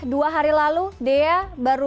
dua hari lalu dea baru